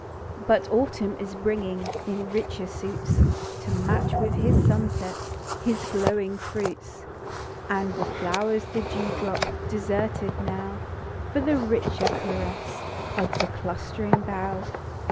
But autumn is bringing, In richer suits, To match with his sunsets, His glowing fruits ; And the flowers the dew drop Deserted now, For the richer caress ( )f the clustering bough.